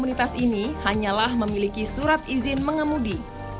komunitas ini hanyalah memiliki surat izin mengemudi